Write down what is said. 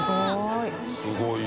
すごい。